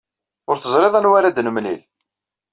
Ur teẓriḍ anwa ara d-nemlil.